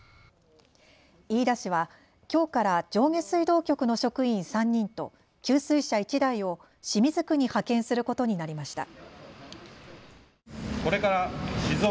飯田市はきょうから上下水道局の職員３人と給水車１台を清水区に派遣することになりました。